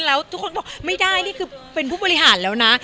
แล้วทุกคนบอกไม่ได้นี่คือเป็นผู้บริหารแล้วนะ